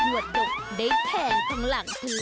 หนวดดกได้แข่งของหลังถือ